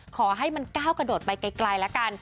ขอให้มันก้าวกระโดดไปไกลละกัน